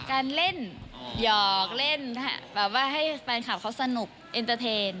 การเล่นหยอกเล่นให้แฟนคัปเขาสนุกเอนเตอร์เทนท์